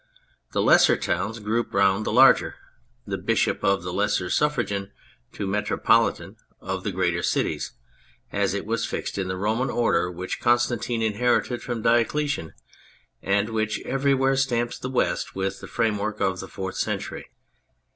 The lesser towns group round the larger; the bishops of the lesser suffragan to metropolitan of the greater cities, as it was fixed in the Roman order which Constantine inherited from Diocletian and which everywhere stamps the West with the framework of the Fourth Century.